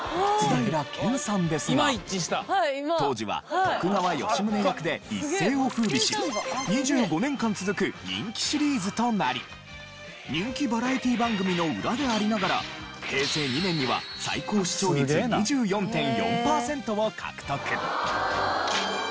当時は徳川吉宗役で一世を風靡し２５年間続く人気シリーズとなり人気バラエティー番組の裏でありながら平成２年には最高視聴率２４．４パーセントを獲得。